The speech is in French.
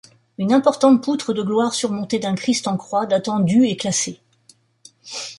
Une importante poutre de gloire surmontée d'un Christ en croix datant du est classée.